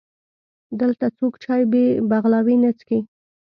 دلته څوک چای بې بغلاوې نه څښي.